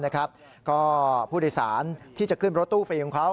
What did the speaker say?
ก็ผู้โดยสารที่จะขึ้นรถตู้ฟรีของเขา